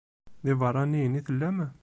D ibeṛṛaniyen i tellam?